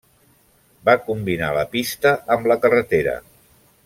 Va combinar la pista amb la carretera.